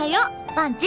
パンチ。